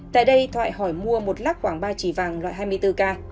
tại đây thoại hỏi mua một lắc khoảng ba chỉ vàng loại hai mươi bốn k